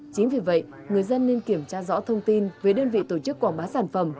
chính vì vậy người dân nên kiểm tra rõ thông tin về đơn vị tổ chức quảng bá sản phẩm